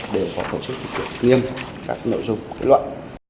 đều có tổ chức kiểm nghiệm các nội dung các loại